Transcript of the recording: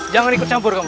jangan ikut campur kamu